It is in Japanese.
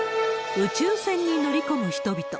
宇宙船に乗り込む人々。